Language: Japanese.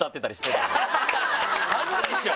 恥ずいでしょ！